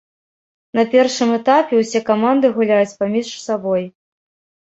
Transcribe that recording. На першым этапе ўсе каманды гуляюць паміж сабой.